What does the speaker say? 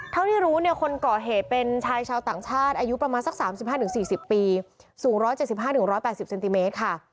เท่าที่รู้เนี่ยคนก่อเหตุเป็นชายชาวต่างชาติอายุประมาณสัก๓๕๔๐ปีสูง๑๗๕๑๘๐เซนติเมตรค่ะ